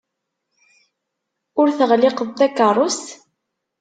Ur teɣliqeḍ takeṛṛust?